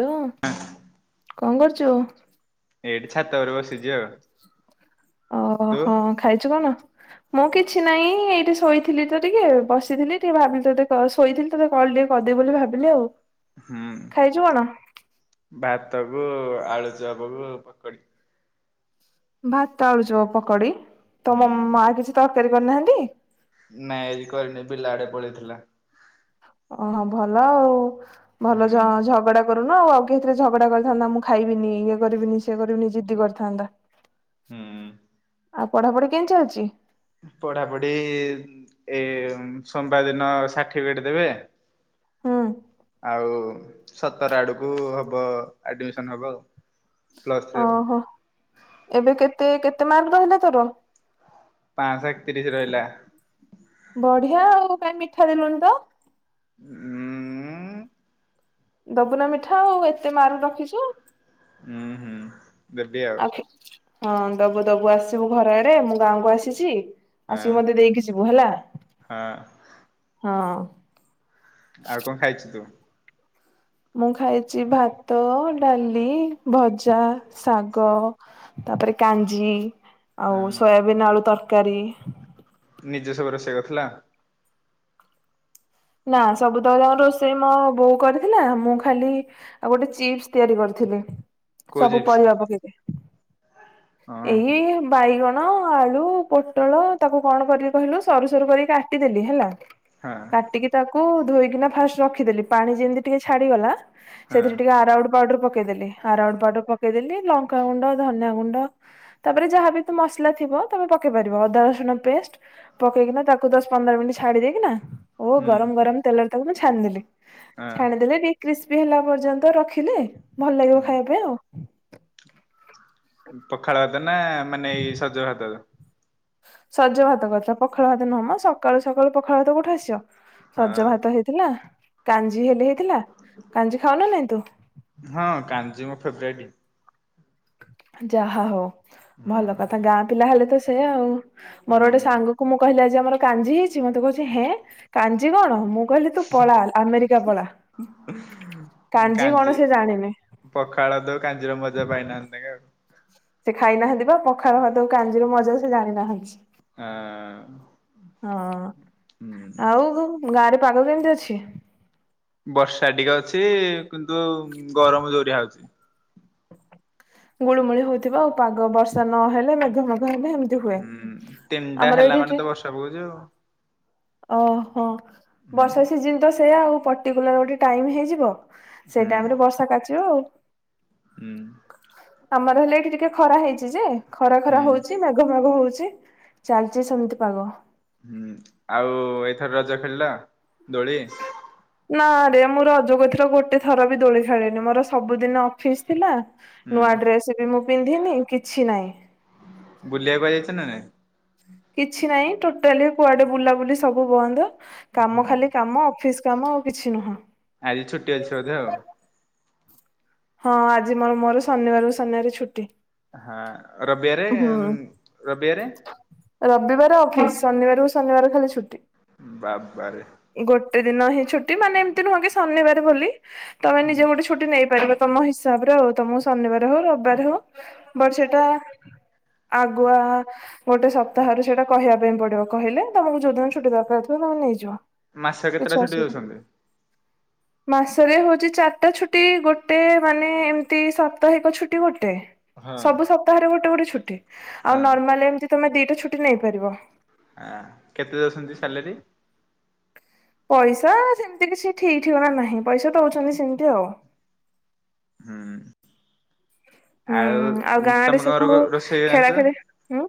Hello କଣ୍ କରୁଚୁ? ଏଇଠେ ଛାତ ଉପରେ ବସିଚି ଆଉ। ଓହୋ- ତୁ? ହଁ ଖାଇଚୁ କଣ? ମୁଁ କିଛି ନାହିଁ ଏଇଠି ଶୋଇଥିଲି ତ ଟିକେ ବସିଥିଲି ଟିକେ ଭାବିଲି ତତେ କ-ଶୋଇଥିଲି ତତେ କଲ୍ ଟିକେ କରିଦେବି ବୋଲି ଭାବିଲି ଆଉ। ହୁଁ ଖାଇଛୁ କଣ ଭାତ କୁ ଆଳୁଚପ କୁ ପକଡି। ଭାତ ଆଳୁଚପ୍, ପକଡି ତମ ହୁଁ ମା କିଛି ତରକାରୀ କରିନାହାନ୍ତି? ନାଇଁ ଆଜି କରିନି ବିଲ ଆଡେ ପଳେଇଥିଲା। ଓହୋ ଭଲ ଆଉ ହୁଁ ଭଲ ଝ-ଝଗଡା କରୁନ ଆଉ -ଆଉ କିଏ ହେଇଥିଲେ ଝଗଡା କରିଥାନ୍ତା ମୁଁ ଖାଇବିନି ଇଏ କରିବିନି ସିଏ କରିବିନି ଜିଦ୍ଦି କରିଥାନ୍ତା। ହୁଁ। ଆଉ ପଢାପଢି କେନ୍ତି ଚାଲିଚି? ପଢାପଢି ଏଇ ସୋମବାର୍ ଦିନ ସାର୍ଟିଫିକେଟ୍ ଦେବେ ହୁଁ। ଆଉ ସତର ଆଡକୁ ହବ ଆଡମିସନ୍ ହବ ଆଉ। ପ୍ଲସ ଥ୍ରୀ ଆଉ। ଓହୋ ଏବେ କେତେ -କେତେ ମାର୍କ ରହିଲା ତୋର? ପାଁଅଶ ଏକତିରିଶ୍ ରହିଲା। ବଢିଆ ଆଉ କାଇଁ ମିଠା ଦେଲୁଣିି ତ? [inaudible] ଦବୁନା ମିଠା ଆଉ ଏତେ ମାର୍କ୍ ରଖିଚୁ। ଉୁଁ ହୁଁ ଦେବି ଆଉ ହଁ ଦବୁ ଦବୁ ଆସିବୁ ଘର ଆଡେ ମୁଁ ଗାଁକୁ ଆସିଛି ହଁ ଆସିକି ମତେ ଦେଇକି ଯିବୁ ହେଲା ହଁ ହଁ। ଆଉ କଣ ଖାଇଛୁ ତୁ? ମୁଁ ଖାଇଛି ଭାତ, ଡାଲି, ଭଜା ଶାଗ। ତାପରେ କାଞ୍ଜି ଆଉ ସୋୟାବିନ୍ ଆଳୁ ତରକାରୀ ନିଜ ସବୁ ରୋଷେଇ କରିଥିଲା। ନା ସବୁ ତଳେ ରୋଷେଇ ମୋ ବୋଉ କରିଥିଲା ମୁଁ ଖାଲି। ଆଉ ଗୋଟେ ଚିପ୍ସ ତିଆରି କରିଥିଲି। ସବୁ କୋଜିପ୍ସ ପରିବା ପକରେ ହଁ ଏଇ ବାଇଗଣ ଆଳୁ ପୋଟଳ ତାକୁ କଣ କରିକି କହିଲୁ ସରୁ ସରୁ କରିକି କାଟିଦେଲି ହେଲା। ହଁ କାଟିକି ତାକୁ ଧୋଇକିନା ଫାଷ୍ଟ ରଖିଦେଲି ପାଣି ଯେମିତି ଟିକେ ଛାଡ଼ିଗଲା। ହଁ ସେଥିରେ ଟିକେ ଆରଉଡ ପାଉଡର ପକେଇଦେଲେ। ଆରଉଡ ପାଉଡର ପକେଇଦେଲି ଲଙ୍କାଗୁଣ୍ଡ ଧନିଆ ଗୁଣ୍ଡ। ତାପରେ ଯାହାବ ତୁ ମସଲା ଥିବ ତମେ ପକେଇ ପାରିବ ଅଦା ରସୁଣ ପେଷ୍ଟ। ପକେଇକିନା ତାକୁ ଦଶ ପନ୍ଦର ମିନିଟ ଛାଡ଼ି ଦେଇକି ନା। ଓ ହୁଁ ଗରମ ଗରମ ତେଲରେ ତାକୁ ମୁଁ ଛାଣିଦେି ହଁ ଛାଣିଦେଲି ଟିକେ। କ୍ରିସ୍ପି ହେଲା ପର୍ଯ୍ୟନ୍ତ ରଖିଲେ ଭଲ ଲାଗିବ ହୁଁ ଖାଇବା ପାଇଁ ଆଉ। ପଖାଳ ଭାତ ନା ମାନେ ଏଇ ସଜ ଭାତ। ସଜ ଭାତ କରିଥିଲା ପଖାଳ ଭାତ ନୁହଁ ସକାଳୁ ସକାଳୁ ପଖାଳ ଭାତ କଉଠି ଆସିବ। ହଁ ସଜ ଭାତ ହେଇଥିଲା କାଞ୍ଜି ହେଲେ ହେଇଥିଲା କାଞ୍ଜି ଖାଉନ ନାଇଁ ତୁ। ହଁ କାଞ୍ଜି ମୋ ଫେବ୍ରାଇଟ୍। ଯାହା ହଉ ହୁଁ ଭଲ କଥା ଗାଁ ପିଲା ହେଲେ ତ ସେୟା ଆଉ। ମୋର ଗୋଟେ ହୁଁ ସାଙ୍ଗ କ ମୁଁ କହିଲି ଆଜି ଆମର କାଞ୍ଜି ହେଇଛି ମତେ କହୁଛି ହେଁ କାଞ୍ଜି କଣ ମୁଁ କହିଲି ତୁ ପଳା ଆମେରିକା ପଳା କାଞ୍ଜି କଣ ସେ ଜାଣିନି। ପଖାଳ ଦଉ କାଞ୍ଜି ର ମଜା ପାଇନାହାନ୍ତି ଆଉ। ସେ ଖାଇ ନାହାନ୍ତି ବା ପଖାଳ ଭାତକୁ କାଞ୍ଜି ର ମଜା ସେ ଜାଣିନାହାନ୍ତି। ହ ଆଁ ହଁ ଆଉ ଗାଁରେ ପାଗ କେମିତି ଅଛି? ବର୍ଷା ଟିକେ ଅଛି କିନ୍ତୁ ଗରମ ଜୋରିଆ ହଉଛି। ଗୁଳୁମୁଳି ହଉଥିବ ଆଉ ପାଗ ବର୍ଷା ନ ହେଲେ ମେଘ ମେଘ ହେଲେ ଏମ ହୁଁ ତିନିଟା ହେଲା ମାନେ ତ ବର୍ଷା ପକଉଛ ଆଉ। ଓହୋ ହୁଁ ବର୍ଷା ସିଜିିନ ତ ସେଇୟା ଆଉ ପର୍ଟିକୁଲାର ଗୋଟେ ଟାଇମ ହେଇଯିବ। ସେଇ ହୁଁ ଟାଇମ ରେ ବର୍ଷା କାଚିବ ଆଉ। ହୁଁ ଆମର ହେଲେ ଏଠି ଟିକେ ଖରା ହେଇଛି ଯେ ଖରା ହୁଁ ଖରା ହଉଛି ମ ପାଗ ମାଗ ହଉଛି ଚାଲିଚ ସେମିତି ପାଗ। ହୁଁ ଆଉ ଏଇଥର ରଜ ଖେଳିଲ ଦୋଳି ନା ରେ ମୁଁ ରଜକୁ ଏଥର ଗୋଟେ ଥର ବି ଦୋଳି ଖେଳେନି ମୋର ସବୁଦିନ ଅଫିସ ଥିଲା। ନୂଆ ହୁଁ ଡ୍ରେସ ବି ମୁଁ ପିନ୍ଧିନି କିଛି ନାହିଁ। ବୁଲିବାକୁ ଯାଇଛ ନା ନାଇଁ। କିଛି ନାହିଁ ଟୋଟାଲି କୁଆଡେ ବୁଲାବୁଲି ସବୁ ବନ୍ଦ କାମ ହୁଁ ଖାଲି କାମ ଅଫିସ। କାମ ଆଉ କିଛି ନୁହଁ। ଆଜି ଛୁଟି ଅଛି ବୋଧେ ଆଉ ହଁ ଆଜି ମୋର ମୋର ଶନିବାରକୁ ଶନିବାର ଛୁଟି ହଁ ରବିବାରେ ହୁଁ ରବିବାରେ ରବିବାର ଅଫିସ୍ ଶନିବାରକୁ ଶନିବାର ଖାଲି ଛୁଟି। ବାବାରେ ଗୋଟେ ଦିନ ହିଁ ଛୁଟି ମାନେ ଏମିତି ନୁହଁ କି ଶନିବାର ବୋଲି ତମେ ନିଜେ ଗୋଟେ ଛୁଟି ନେଇପାରିବ ତମ ହିସାବରେ ଆଉ ତମକୁ ଶନିବାର ହଉ ରବିବାର ହଉ ବଟ୍ ସେଇଟା ଆଗୁଆ ଗୋଟେ ସପ୍ତାହରେ ସେଇଟା କହିବା ପାଇଁ ପଡିବ କହିଲେ ତମକୁ ଯୋଉଦିନ ଛୁଟି ଦରକାର ଥିବ ତମେ ନେଇଯିବ ମାସ କିଛ କେତେଟା ଛୁଟି ଅସୁବିଧା ଦଉଛନ୍ତି? ମାସରେ ହଉଛି ଚାରିଟା ଛୁଟି ଗୋଟେ ମାନେ ଏମିତି ସପ୍ତାହିକ ଛୁଟି ଗୋଟେ ହଁ ସବୁ ସପ୍ତାହରେ ଗୋଟେ ଗୋଟେ ଛୁଟି ଆଉ ହଁ ନର୍ମାଲ ଏମିତି ତମେ ଦିଟା ଛୁଟି ନେଇପାରିବ ଆ କେତେ ଦଉଛନ୍ତି ସାଲେରୀ? ପଇସା ସେମିତି କିଛି ଠିକ୍ ଠିକଣା ନାହିଁ ପଇସା ଦଉଛନ୍ତି ସେମିତି ଆଉ ହୁଁ ଆଉ ହୁଁ ଗାଁ ରେ ତମେ ସବୁ କଣ କଣ ରୋଷେଇ ଖେଳା ଜାଣିଚ? ଖେଳି ହୁଁ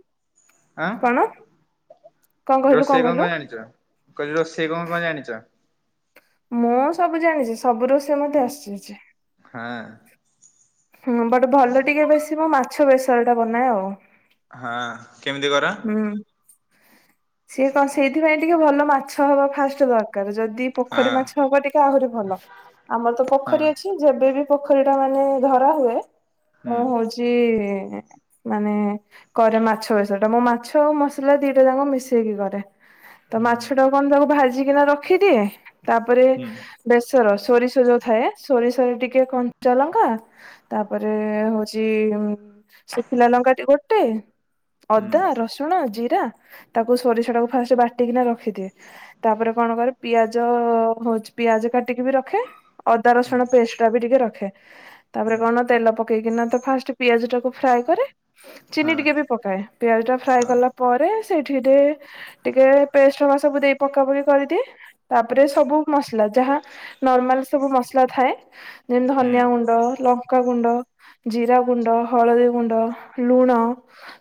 କଣ? କଣ କହିଲୁ ରୋଷେଇ କଣ କହିଲୁ? କଣ ଜାଣିଛ କହିଲି ରୋଷେଇ କଣ କଣ ଜାଣିଛ? ମୁଁ ସବୁ ଜାଣିଛି ସବୁ ରୋଷେଇ ମତେ ଆସିଛି ହଁ ହୁଁ ବଟ ଭଲ ଟିକେ ବେଶି ମୁଁ ମାଛ ବେସର ଟା ବନାଏ ଆଉ ହଁ କେମିତି କର? ହୁଁ ସିଏ କଣ ସେଇଥିପାଇଁ ଟିକେ ଭଲ ମାଛ ହବା ଫାଷ୍ଟ ଦରକାର ଯଦି ପୋଖରୀ ହଁ ମାଛ ହବ ଟିକେ ଆହୁରି ଭଲ ଆମର ତ ହଁ ପୋଖରୀ ଅଛି ଯେବେ ବି ପୋଖରୀ ଟା ମାନେ ଧରା ହୁଏ ହୁଁ ହଉଛି ହଉଛି ମାନେ କରେ ମାଛ ବେସର ମୁଁ ମାଛ ଆଉ ମସଲା ଦିଟା ଯାକ ମିଶେଇକି କରେ ତ ହୁଁ ମାଛ ଟା ତାକୁ ଭାଜିକିନା ରଖିଦିଏ ତାପରେ ହୁଁ ବେସର ସୋରିଷ ଯୋଉ ଥାଏ ସୋରିଷରେ ଟିକେ କଞ୍ଚା ଲଙ୍କା ତାପରେ ହଉଛି ସୁଖିଲା ଲଙ୍କା ଟି ଗୋଟେ ହୁଁ ଅଦା ରସୁଣ ଜିରା ତାକୁ ସୋରିଷ ଟାକୁ ଫାଷ୍ଟ ବାଟିକିନା ରଖିଦିଏ ତାପରେ କଣ କରେ ପିଆଜ ହଉଛି ପିଆଜ କାଟିକି ବି ରଖେ ଅଦା ହୁଁ ରସୁଣ ପେଷ୍ଟ ଟା ବି ଟିକେ ରଖେ ତାପରେ ହୁଁ କଣ ତେଲ ପକେଇକିନା ତ ଫାଷ୍ଟ ପିଆଜ ଟାକୁ ଫ୍ରାଏ କରେ ହଁ ଚିନି ଟିକେ ବି ପକାଏ ପିଆଜ ଟା ଫ୍ରାଏ ହଁ। କଲା ପରେ ସେଇଥିରେ ଟିକେ ପେଷ୍ଟ ହକା ସବୁ ଦେଇ ପକା ପକି କରିଦିଏ ତାପରେ ସବୁ ମସଲା ଯାହା ନର୍ମାଲ ସବୁ ମସଲା ଥାଏ ଯେମିତି ହୁଁ ଧନିଆ ଗୁଣ୍ଡ ଲଙ୍କାଗୁଣ୍ଡ ଜିରା ଗୁଣ୍ଡ ହଳଦୀ ଗୁଣ୍ଡ ଲୁଣ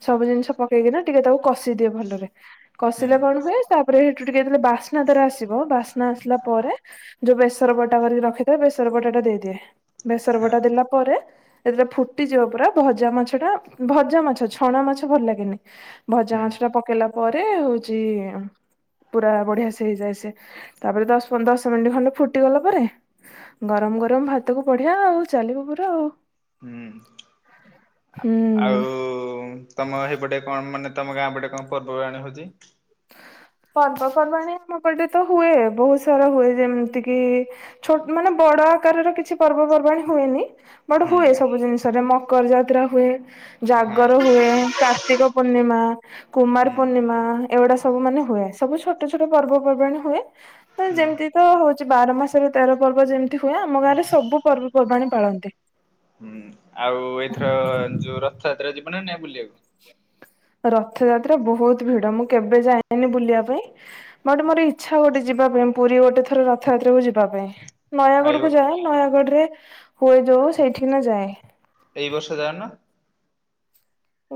ସବୁ ଜିନିଷ ପକେଇକିନା ଟିକେ ତାକୁ କଷି ଦିଏ ଭଲରେ ହୁଁ କଷିଲେ କଣ ହୁଏ ତାପରେ ସେଠୁ ଟିକେ ଯେତେବେଳେ ବାସ୍ନା ବାସ୍ନା ତାର ଆସିବ ବାସ୍ନା ଆସିଲା ପରେ ଯୋଉ ବେସର ବଟା କରିକି ରଖିଥାଏ ବେସର ବଟା ଟା ଦେଇଦିଏ ବେସର ହଁ ବଟା ଦେଲାପରେ ପରେ ଯେତେବେଳେ ଫୁଟିଯିବ ପୁରା ଭଜା ମାଛ ଟା ଭଜା ମାଛ ଛଣା ମାଛ ଭଲ ଲାଗେ ନି ଭଜା ହୁଁ ମାଛ ଟା ପକେଇଲା ପରେ ହଉଛି ପୁରା ବଢିଆ ସେ ହେଇଯାଏ ସେ ତାପରେ ଦଶ ପନ୍ଦ ଦଶ ମିନିଟ୍ ଖଣ୍ଡେ ଫୁଟିଗଲା ପରେ ଗରମ ଗରମ ଭାତକୁ ବଢିଆ ଆଉ ଚାଲିବ ପୁରା ଆଉ ହୁଁ ହୁଁ। ଆଉ ତମ ସେଇପଟେ କଣ ମାନେ ତମ ଗାଁ ଗଟେ କଣ ପର୍ବପବାଣି ହଉଛି? ପର୍ବପର୍ବାଣୀ ଆମ ପଟେ ତ ହୁଏ ବହୁତ ସାରା ହୁଏ ଯେମିତି କି ଛୋଟ ମାନେ ବଡ ଆକାରର କିଛି ପର୍ବପର୍ବାଣୀ ହୁଏନି। ବଟ ହୁଁ ହୁଏ ସବୁ ଜିନିଷରେ ମକର ଯାତ୍ରା ହୁଏ। ହଁ ଜାଗର ହୁଏ, କାର୍ତ୍ତିକ ପୂର୍ଣ୍ଣିମା କୁମାର ହୁଁ ପୂର୍ଣ୍ଣିମା ଏଗୁଡା ସବୁ ମାନେ ହୁଏ, ସବୁ ଛୋଟ ଛୋଟ ପର୍ବପର୍ବାଣି ହୁଏ ତ ହୁଁ। ଯେମିତି ତ ହଉଛି ବାର ମାସରେ ତେର ପର୍ବ ଯେମିତି ହୁଏ, ଆମ ଗାଁ ରେ ସବୁ ପର୍ବପର୍ବାଣୀ ପାଳନ୍ତି। ହୁଁ ଆଉ ଏଇଥର ଯୋଉ ରଥଯାତ୍ରା ଯିବ ନ ନାଇ ବୁଲିବାକୁ? ରଥଯାତ୍ରା ବହୁତ ଭିଡ। ମୁଁ କେବେ ଯାଇନି ବୁଲିବା ପାଇଁ। ମୋଟେ ମୋର ଇଚ୍ଛା ଗୋଟେ ଯିବା ପାଇଁ, ପୁରୀ ଗୋଟେ ଥର ରଥଯାତ୍ରା କୁ ଯିବା ପାଇଁ। ଆଉ ନୟାଗଡକୁ ଯାଏ। ନୟାଗଡ ରେ ହୁଏ ଯୋଉ ସେଇଠି ନା ଯାଏ। ଏହି ବର୍ଷ ଯାଉନ।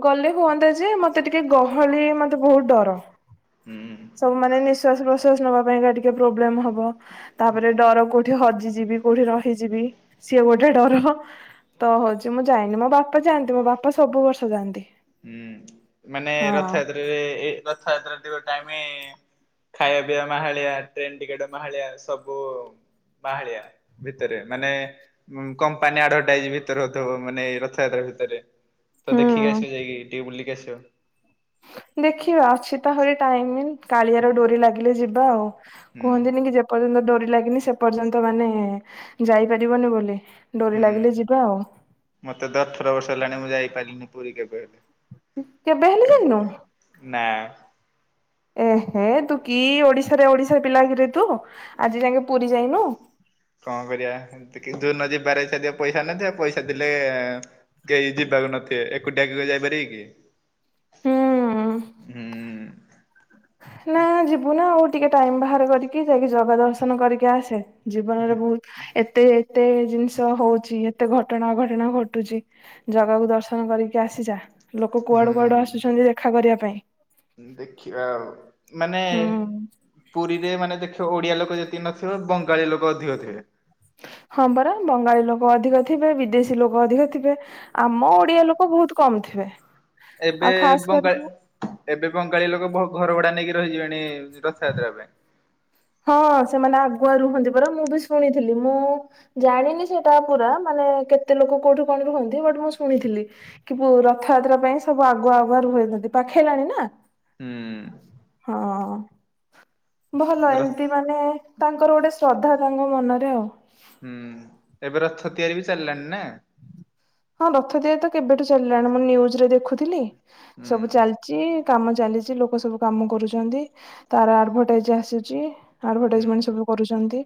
ଗଲେ ହୁଅନ୍ତା ଯେ- ମତେ ଟିକେ ଗହଳି ମତେ ବହୁତ ଡର। ହୁଁ। ସବୁ ମାନେ ନିଶ୍ଵାସ ପ୍ରଶ୍ୱାସ ନବା ପାଇଁକା ଟିକେ ପ୍ରୋବ୍ଲେମ ହବ, ତାପରେ ଡର କୋଉଠି ହଜିଯିବି। କୋଉଠି ରହିଯିବି ସିଏ ଗୋଟେ ଡର, ତ ହଉଛି ମୁଁ ଯାଇନି ମୋ ବାପା ବାପା ଯାଆନ୍ତି। ମୋ ବାପା ସବୁ ବର୍ଷ ଯାଆନ୍ତି। ହୁଁ ମାନେ ହଁ ରଥଯାତ୍ରରେ ରଥଯାତ୍ରା ଟାଇମ ଖାଇବା ପିଇବା ମାହାଳିଆ ଟ୍ରେନ ଟିକେଟ ମାହାଳିଆ ସବୁ ମାହାଳିଆ ଭିତରେ ମାନେ କମ୍ପାନୀ ଆଡଭାଟାଇଜ ଭିତରେ ହଉଥିବ। ମାନେ ରଥଯାତ୍ରା ଭିତରେ ତ ଦେଖିକି ହୁଁ ଆସିବ ଯାଇକି ଟିକେ ବୁଲିକି ଆସିବ। ଦେଖିବା ଅଛି ତ ଆହୁରି ଟାଇମ ହୁଁ କାଳିଆର ଡୋରି ଲାଗିଲେ ଯିବା ଆଉ ହୁଁ କୁହନ୍ତିନି କି ଯେ, ପର୍ଯ୍ୟନ୍ତ ଡୋରି ଲାଗିନି ସେ ପର୍ଯ୍ୟନ୍ତ ମାନେ ଯାଇପାରିବନି ବୋଲି। ଡୋରି ଲାଗିଲେ ହୁଁ ଯିବା ଆଉ। ମତେ ତ ଅଠର ବର୍ଷ ହେଲାଣି। ମୁଁ ଯାଇପାରିଲିନି ପୁରୀ କେବେ? କେବେ ହେଲେ ଯାଇନ? ନା ଏହେ ତୁ କି ଓଡିଶାରେ, ଓଡିଶା ପିଲା କିରେ ତୁ ଆଜି ଯାକେ ପୁରୀ ଯାଇନୁ? କଣ କରିବା କିନ୍ତୁ, ଏମିତି ଯିବାରେ ଇଛା ଥିବ ପଇସା ନଥିବ ପଇସା ଥିଲେ କେହି ଯିବାକୁ ନଥିବେ ଏକୁଟିଆ କେବେ ଯାଇପାରିବେ କି? ହୁଁ। ହୁଁ। ନା ଯିବୁନା ଆଉ ଟିକେ ଟାଇମ ବାହାର କରିକି, ଯାଇକି ଜଗା ଦର୍ଶନ କରିକି ଆସେ। ଜୀବନରେ ବହୁତ ଏତେ ଏତେ ଜିନିଷ ହଉଛି, ଏତେ ଘଟଣା ଅଘଟଣା ଘଟୁଛି। ଜଗାକୁ ଦର୍ଶନ କରିକି ଆସିଯା, ଲୋକ କୁଆଡୁ କୁଆଡୁ ହୁଁ ଆସୁଛନ୍ତି ଦେଖା କରିବା ପାଇଁ। ଦେଖିବା ଆଉ ମାନେ ହୁଁ ପୁରୀରେ ମାନେ ଦେଖ ଓଡିଆ ଲୋକ ଯେତିକି ନଥିବେ, ବଙ୍ଗାଳୀ ଲୋକ ଅଧିକ ଥିବେ ହଁ ପରା ବଙ୍ଗାଳୀ ଲୋକ ଅଧିକ ଥିବେ, ବିଦେଶୀ ଲୋକ ଅଧିକ ଥିବେ। ଆମ ଓଡିଆ ଲୋକ ବହୁତ କମ ଥିବେ। ଏବେ ଆଉ ଖାସ କରିକି ବଙ୍ଗାଳି ଏବେ ବଙ୍ଗାଳୀ ଲୋକ ଘର ଭଡା ନେଇକି ରହିଯିବେଣି ରଥଯାତ୍ରା ପାଇଁ। ହଁ ସେମାନେ ଆଗୁଆ ରୁହନ୍ତି ପରା ମୁଁ ବି ଶୁଣିଥିଲି। ମୁଁ ଜାଣିନି ସେଇଟା ପୁରା ମାନେ କେତେ ଲୋକ କୋଉଠୁ କଣ ରୁହନ୍ତି, ବଟ ମୁଁ ଶୁଣିଥିଲି। କିନ୍ତୁ ରଥଯାତ୍ରା ପାଇଁ ସବୁ ଆଗୁଆ ଆଗୁଆ ରୁହନ୍ତି, ପାଖେଇଲାଣି ନା। ହୁଁ। ହଁ। ଭଲ ର ଏମତି ମାନେ ତାଙ୍କର ଗୋଟେ ଶ୍ରଦ୍ଧା ତାଙ୍କ ମନରେ ଆଉ। ହୁଁ। ଏବେ ରଥ ତିଆରି ବି ଚାଲିଲାଣି ନା? ହଁ ରଥ ତିଆରି ତ କେବେଠୁ ଚାଲିଲାଣି, ମୁଁ ନିୟୁଜ ରେ ଦେଖୁଥିଲି ହୁଁ ସବୁ ଚାଲଛି କାମ ଚାଲିଛି ଲୋକ ସବୁ କାମ କରୁଛନ୍ତି। ତାର ଆଡଭଟାଇଜ ଆସୁଛି ହୁଁ ଆଡଭଟାଇଜମେଣ୍ଟ ସବୁ କରୁଛନ୍ତି,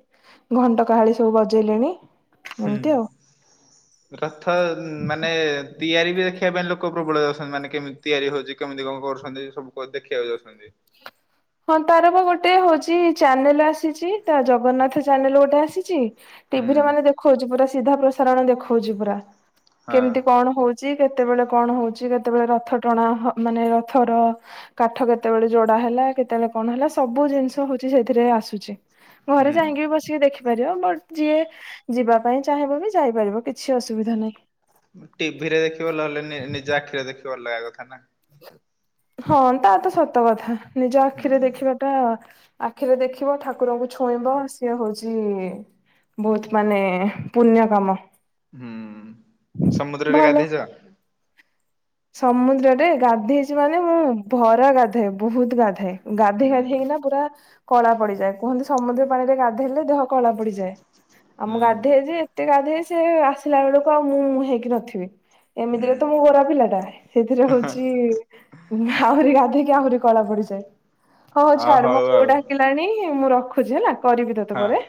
ଘଣ୍ଟ କାହାଳି ସବୁ ବଜେଇଲେଣି। ଏମିତି ଆଉ। ହୁଁ। ରଥ ମାନେ ତିଆରି ବି ଦେଖ ଦେଖିବା ପାଇଁ ଲୋକ ପ୍ରବଳ ଯାଉଛନ୍ତି। ମାନେ କେମିତି ତିଆରି ହଉଛି, କେମିତି କଣ କରୁଛନ୍ତି ସବୁ ଦେଖିବାକୁ ଯାଉଛନ୍ତି। ହଁ ତାର ପା ଗୋଟେ ହଉଛି ଚ୍ୟାନେଲ ଆସିଚି ତ ଜଗନ୍ନାଥ ଚ୍ୟାନେଲ ଗୋଟେ ଆସିଚି ହୁଁ ଟିଭିରେ ମାନେ ଦେ ଖଉଚି ପୁରା ସିଧା ପ୍ରସାରଣ ଦେଖଉଚି ପୁରା ହଁ କେମିତି କଣ ହଉ ଚି କେତେବେଳେ କଣ ହଉଚି କେତେବେଳେ ରଥ ଟଣା ହ ମାନେ ରଥର କାଠ କେତେବେଳେ ଯୋଡା ହେଲା କେତେବେଳେ କଣ ହେଲା ସବୁ ଜିନିଷ ହଉଚି ସେଇଥିରେ ଆସୁଚି। ଘରେ ହୁଁ। ଯାଇଁକିବି ବସିକି ଦେଖିପାରିବ ବଟ ଯିଏ ଯିବା ପାଇଁ ଚାହିଁବ ବି ଯାଇପାରିବ କିଛି ଅସୁବିଧା ନାହିଁ। ଟିଭିରେ ଦେଖିବ ଲଲେନି ନିଜ ଆଖିରେ ଦେଖିବ ଅଲଗା କଥା ନା। ହଁ ତା ତ ସତ କଥା ନିଜ ଆଖିରେ ହୁଁ ଦେଖିଵ ଟା ଆଖିରେ ଦେଖିବ ଠାକୁରଙ୍କୁ ଛୁଇଁବ ସିଏ ହଉଚି ବହୁତ ମାନେ ପୁଣ୍ୟ କାମ। ହୁଁ ସମୁଦ୍ରରେ ଭଲ। ଗାଧେଇଚ? ସମୁଦ୍ରରେ ଗାଧେଇଚି ମାନେ ମୁଁ ଭରା ଗାଧାଏ ବହୁତ ଗାଧାଏ। ଗାଧୋଇ ହୁଁ। ଗାଧେଇ କିନା ପୁରା କଳା ପଡିଯାଏ କୁହନ୍ତି ସମୁଦ୍ର ପାଣିରେ ଗାଧେଇଲେ ଦେହ କଳା ପଡିଯାଏ ଆଉ ମୁଁ ଗାଧେଏ ହୁଁ ଯେ ଏତେ ଗାଧେ ସେ ଆସିଲା ବେଳକୁ ଆଉ ମୁଁ ହେଇକି ନଥିବି ଏମିତିରେ ତ ମୁଁ ଗୋରା ପିଲାଟା। ଏଥିରେ ହଉଚି ଆହୁରି ଗାଧେଇକି ଆହୁରି କଳା ପଡିଯାଏ। ହଉ ହଉ ଆ ଛାଡ ମୋ ବୋଉ ଆଉ ଡାକିଲାଣି ମୁଁ ରଖୁଚି ହେଲା କରିବି ତତେ ପରେ। ହଁ।